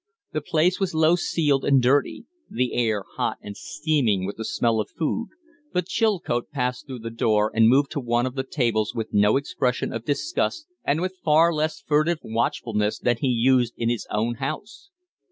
The place was low ceiled and dirty, the air hot and steaming with the smell of food, but Chilcote passed through the door and moved to one of the tables with no expression of disgust, and with far less furtive watchfulness than he used in his own house.